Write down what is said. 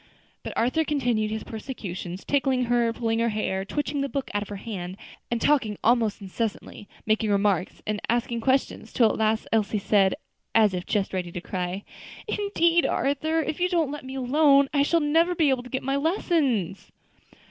But Arthur continued his persecutions tickling her, pulling her hair, twitching the book out of her hand, and talking almost incessantly, making remarks, and asking questions; till at last Elsie said, as if just ready to cry, "Indeed, Arthur, if you don't let me alone, I shall never be able to get my lessons."